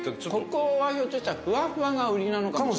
ここはひょっとしたらふわふわが売りなのかも。